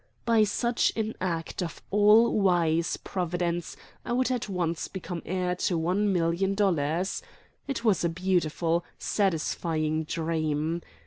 By such an act of an all wise Providence I would at once become heir to one million dollars. It was a beautiful, satisfying dream.